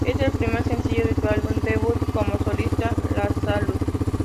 Es el primer sencillo de su álbum debut como solista "Lazarus".